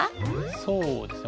そうですね